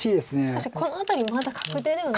確かにこの辺りまだ確定ではない。